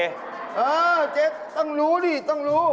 เออเจ๊ต้องรู้ดิต้องรู้